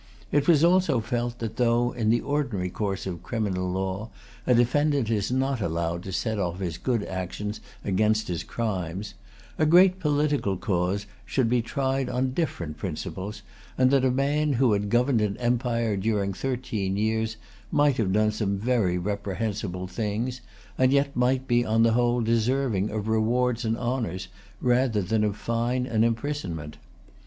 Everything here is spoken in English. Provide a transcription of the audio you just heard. It was also felt that, though, in the ordinary course of criminal law, a defendant is not allowed to set off his good actions against his crimes, a great political cause should be tried on different principles, and that a man who had governed an empire during thirteen years might have done some very reprehensible things, and yet might be on the whole deserving of rewards and honors rather than of fine and imprisonment.